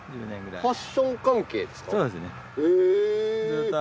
ファッション関係ですか？